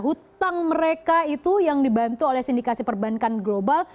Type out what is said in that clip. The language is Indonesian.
hutang mereka itu yang dibantu oleh sindikasi perbankan global